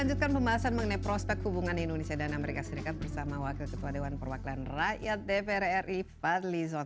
kita lanjutkan pembahasan mengenai prospek hubungan indonesia dan amerika serikat bersama wakil ketua dewan perwakilan rakyat dpr ri fadli zon